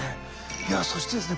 いやそしてですね